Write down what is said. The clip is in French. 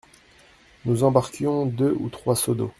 Nous embarquions deux ou trois seaux d'eau.